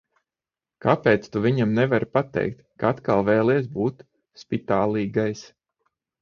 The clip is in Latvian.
Kāpēc tu viņam nevari pateikt, ka atkal vēlies būt spitālīgais?